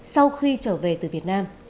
sau khi trở về từ việt nam